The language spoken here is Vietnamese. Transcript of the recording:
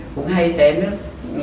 cũng hay té nước